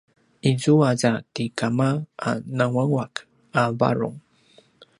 izua za ti kama a nanguanguaq a varung